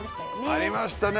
ありましたね。